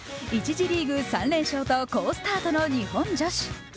１次リーグ３連勝と好すたーとの日本女子。